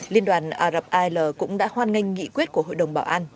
liên đoàn ả rập al cũng đã hoan nghênh nghị quyết của hội đồng bảo an